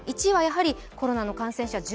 １位はコロナの感染者